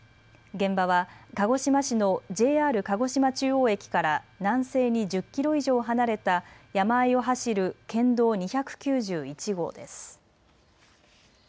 現場は鹿児島市のＪＲ鹿児島中央駅から南西に１０キロ以上離れた山あいを走る県道２９１号です。